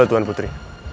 halo tuan putri